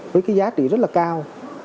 với cái giá trị rất là cao